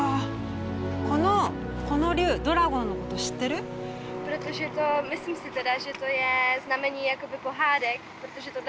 この竜ドラゴンのこと知ってる？